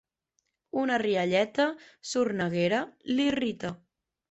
Una rialleta sorneguera l'irrita.